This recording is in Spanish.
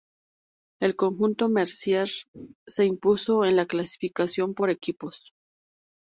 El conjunto Mercier se impuso en la clasificación por equipos.